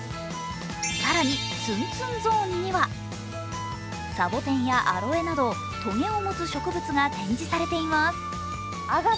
更に、ツンツンゾーンには、サボテンやアロエなどとげを持つ植物が展示されています。